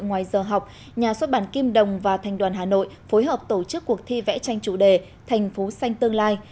ngoài giờ học nhà xuất bản kim đồng và thành đoàn hà nội phối hợp tổ chức cuộc thi vẽ tranh chủ đề thành phố xanh tương lai